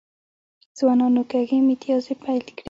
ځوانانو کږې میتیازې پیل کړي.